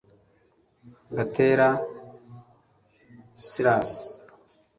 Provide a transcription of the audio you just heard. gatera silas